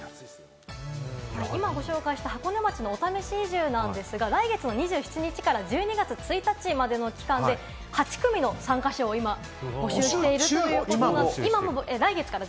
今ご紹介した箱根町のお試し移住なんですが、来月の２７日から１２月１１日までの期間で８組の参加者を今、募集中ということです。